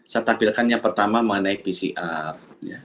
saya tampilkan yang pertama mengenai pcr